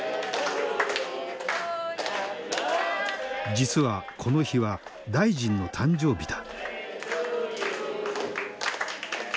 実はこの日は大臣の誕生日だ。